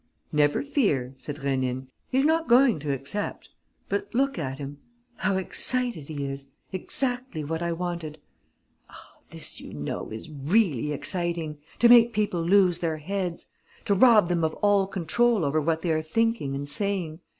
"Never fear," said Rénine, "he's not going to accept.... But look at him.... How excited he is! Exactly what I wanted.... Ah, this, you know, is really exciting!... To make people lose their heads! To rob them of all control over what they are thinking and saying!...